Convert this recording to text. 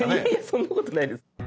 そんなことないです。